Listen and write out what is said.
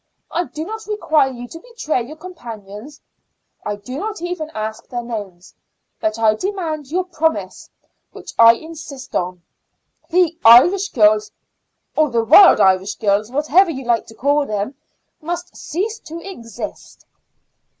I do not require you to betray your companions; I do not even ask their names. I but demand your promise, which I insist on. The Irish Girls or the Wild Irish Girls, whatever you like to call them must cease to exist."